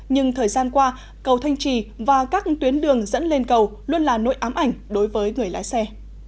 nhưng thời gian qua cầu thanh trì và các tuyến đường dẫn lên cầu luôn là nỗi ám ảnh đối với người lái xe